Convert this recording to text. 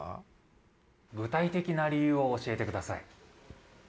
・具体的な理由を教えてください